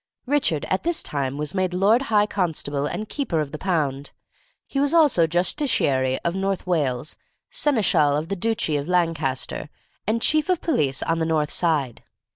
Richard at this time was made Lord High Constable and Keeper of the Pound. He was also Justiciary of North Wales, Seneschal of the Duchy of Lancaster, and Chief of Police on the North Side.